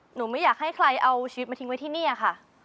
ไม่อยากให้ใครเอาชีวิตมาทิ้งไว้ที่นี่ค่ะ